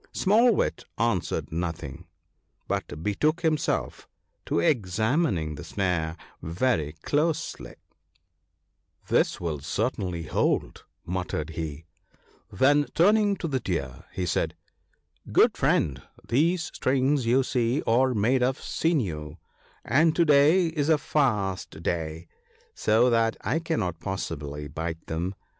* Small wit answered nothing, but betook himself to examining the snare very closely. THE WINNING OF FRIENDS. yj " This will certainly hold," muttered he ; then, turning to the Deer, he said, " Good friend, these strings, you see, are made of sinew, and to day is a fast day, so that I cannot possibly bite them.